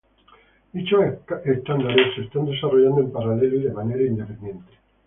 Dichos estándares se están desarrollando en paralelo y de manera independiente.